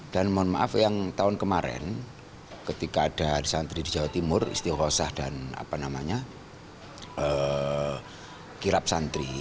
dan mohon maaf yang tahun kemarin ketika ada hari santri di jawa timur istiho hosah dan apa namanya kirab santri